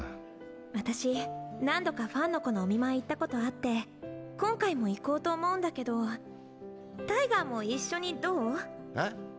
私何度かファンの子のお見舞い行ったことあって今回も行こうと思うんだけどタイガーも一緒にどう？へ？？